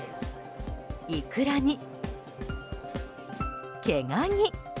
イクラに毛ガニ。